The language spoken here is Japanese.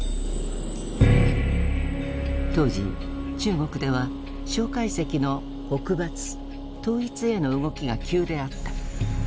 当時中国では蒋介石の北伐統一への動きが急であった。